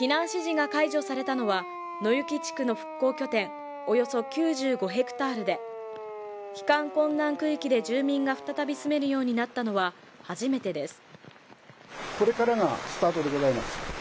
避難指示が解除されたのは野行地区の復興拠点、およそ９５ｈａで、帰還困難区域で住民が再び住めるようになったのは初めてです。